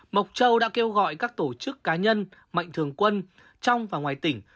mộc châu đã kêu gọi các tổ chức cá nhân mạnh thường quân trong và ngoài tỉnh